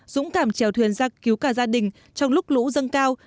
dũng cảm trèo thuyền ra cứu cả gia đình trong lúc lũ dâng cao